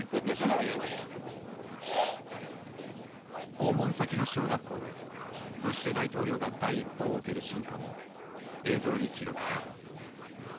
訪問先の小学校でブッシュ大統領が第一報を受ける瞬間も映像に記録された。